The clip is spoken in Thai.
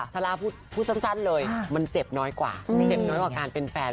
ซาร่าพูดสั้นเลยมันเจ็บน้อยกว่าการเป็นแฟน